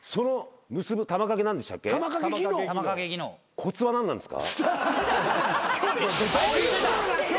コツは何なんですか？